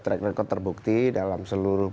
track record terbukti dalam seluruh